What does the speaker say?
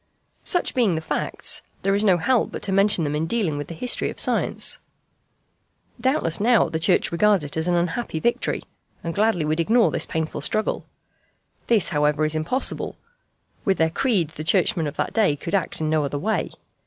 Such being the facts, there is no help but to mention them in dealing with the history of science. Doubtless now the Church regards it as an unhappy victory, and gladly would ignore this painful struggle. This, however, is impossible. With their creed the Churchmen of that day could act in no other way.